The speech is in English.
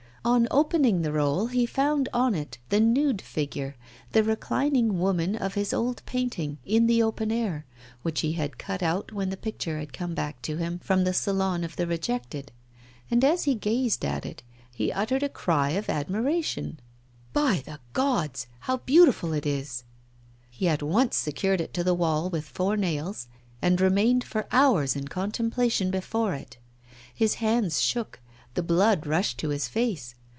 On opening the roll he found on it the nude figure, the reclining woman of his old painting, 'In the Open Air,' which he had cut out when the picture had come back to him from the Salon of the Rejected. And, as he gazed at it, he uttered a cry of admiration: 'By the gods, how beautiful it is!' He at once secured it to the wall with four nails, and remained for hours in contemplation before it. His hands shook, the blood rushed to his face.